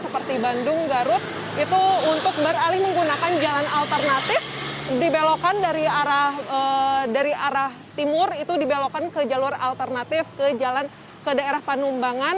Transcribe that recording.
seperti bandung garut itu untuk beralih menggunakan jalan alternatif dibelokan dari arah timur itu dibelokkan ke jalur alternatif ke jalan ke daerah panumbangan